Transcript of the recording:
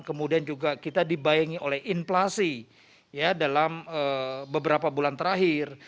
kemudian juga kita dibayangi oleh inflasi dalam beberapa bulan terakhir